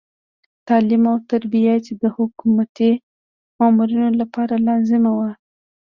تعلیم او تربیه چې د حکومتي مامورینو لپاره لازمه وه.